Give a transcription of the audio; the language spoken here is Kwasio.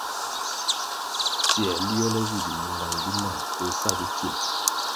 Tsiē liole vi biyingan bi mam koh sa bikil.